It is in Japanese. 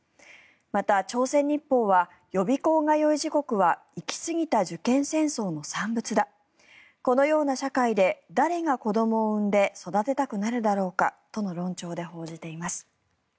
また、朝鮮日報は予備校通い地獄は行きすぎた受験戦争の産物だこのような社会で誰が子どもを産んで育てたくなるなるだろうかとの論調で報じています。